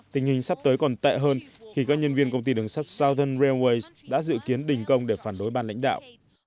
tình hình sắp tới còn tệ hơn khi các nhân viên công ty đường sắt southern airways đã dự kiến đình công để phản đối ban lãnh đạo